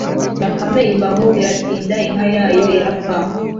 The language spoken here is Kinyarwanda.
bakame iba aho, biratinda inka yayo irapfa